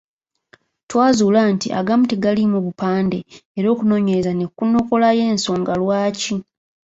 Twazuula nti agamu tegaalimu bupande era okunoonyereza ne kunokolayo ensonga lwaki.